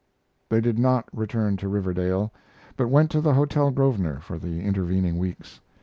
They did not return to Riverdale, but went to the Hotel Grosvenor for the intervening weeks.